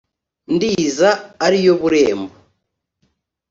ndiza (ariyo burembo).